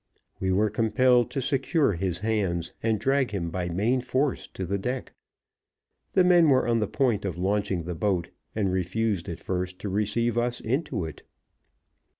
We were compelled to secure his hands, and drag him by main force to the deck. The men were on the point of launching the boat, and refused at first to receive us into it.